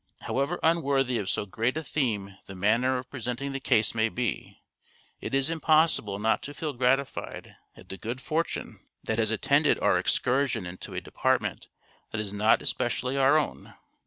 However unworthy of so great a theme the manner of presenting the case may be, it is impossible not to feel gratified at the good fortune CONCLUSION 497 that has attended our excursion into a department that is not specially our own.